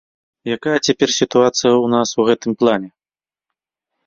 Якая цяпер сітуацыя ў нас у гэтым плане?